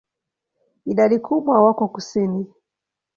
Idadi kubwa wako kusini.